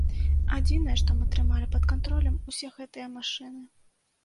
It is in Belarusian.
Адзінае, што мы трымалі пад кантролем, усе гэтыя машыны.